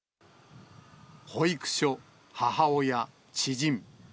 保育所、母親、知人。